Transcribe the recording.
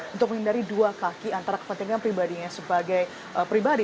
untuk menghindari dua kaki antara kepentingan pribadinya sebagai pribadi